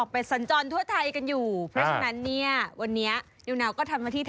นิวนาวก็ทำมาที่แทน๑วันนะคะ